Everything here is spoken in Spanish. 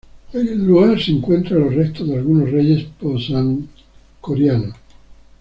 En el lugar se encuentran los restos de algunos reyes post-angkorianos.